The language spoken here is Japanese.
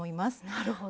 なるほど。